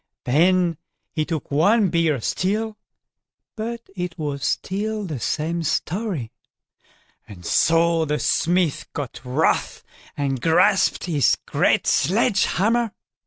Then he took one bigger still, but it was still the same story; and so the smith got wroth, and grasped his great sledge hammer.